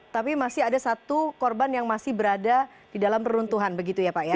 tapi masih ada satu korban yang masih berada di dalam peruntuhan begitu ya pak ya